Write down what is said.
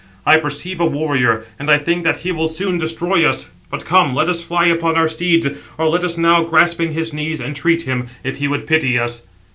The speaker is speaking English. I perceive a warrior, and I think that he will soon destroy us. But come, let us fly upon our steeds; or let us now, grasping his knees, entreat him, if he would pity us."